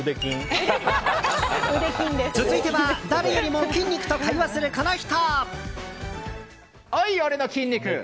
続いては誰よりも筋肉と会話する、この人。